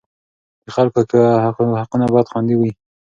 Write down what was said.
د خلکو حقونه باید خوندي وي.